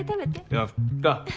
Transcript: やった。